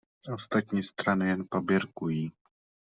Ostatní strany jen paběrkují.